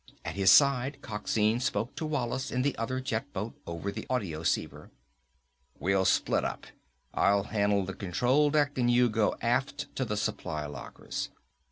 At his side, Coxine spoke to Wallace in the other jet boat over the audioceiver. "We'll split up. I'll handle the control deck and you go aft to the supply lockers.